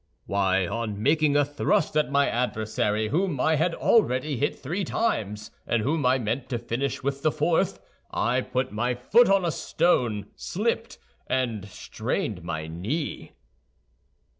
"Why, on making a thrust at my adversary, whom I had already hit three times, and whom I meant to finish with the fourth, I put my foot on a stone, slipped, and strained my knee."